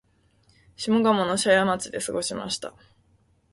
下鴨の社家町で過ごしました